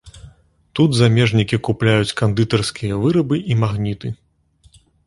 Тут замежнікі купляюць кандытарскія вырабы і магніты.